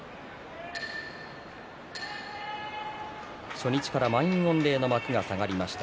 初日から満員御礼の幕が下がりました。